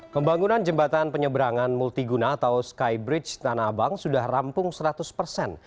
pembangunan jembatan penyeberangan multiguna atau skybridge tanah abang sudah rampung seratus persen